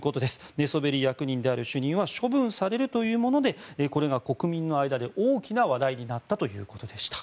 寝そべり役人である主任は処分されるというものでこれが国民の間で大きな話題になったということでした。